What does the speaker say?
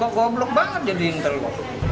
kok goblok banget jadi intel kok